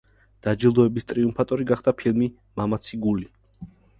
დაჯილდოების ტრიუმფატორი გახდა ფილმი „მამაცი გული“.